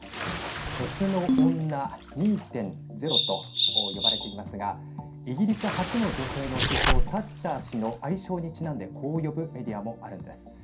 鉄の女２．０と呼ばれていますがイギリス初の女性の首相サッチャー氏の愛称にちなんでこう呼ぶメディアもあるんです。